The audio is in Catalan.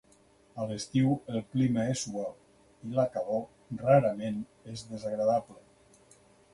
A l'estiu el clima és suau, i la calor, rarament es fa desagradable.